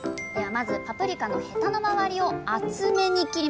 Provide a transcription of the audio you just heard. まずパプリカのヘタの周りを厚めに切ります。